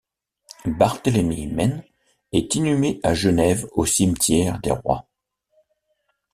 Barthélemy Menn est inhumé à Genève au cimetière des Rois.